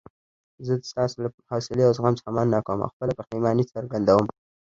زه ستاسو له حوصلې او زغم څخه مننه کوم او خپله پښیماني څرګندوم.